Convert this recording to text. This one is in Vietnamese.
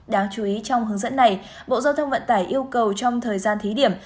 đáng chú ý trong hướng dẫn này bộ giao thông vận tải yêu cầu trong thời gian thí điểm